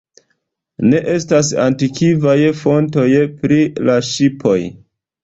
Ne estas antikvaj fontoj pri la ŝipoj.